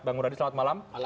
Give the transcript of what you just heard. bang muradi selamat malam